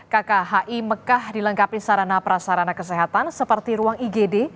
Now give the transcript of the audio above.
kkhi mekah dilengkapi sarana prasarana kesehatan seperti ruang igd